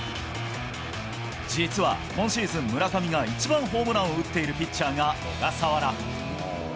実は今シーズン、村上が一番ホームランを打っているピッチャーが小笠原。